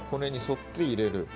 骨に沿って入れる。